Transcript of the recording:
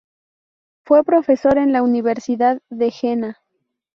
Fue profesor en la Universidad de Jena.